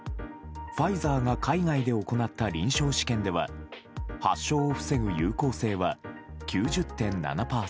ファイザーが海外で行った臨床試験では発症を防ぐ有効性は９０．７％。